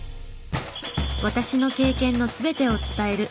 「私の経験の全てを伝える」。